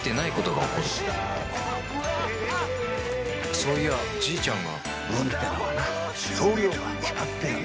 そういやじいちゃんが運ってのはな量が決まってるんだよ。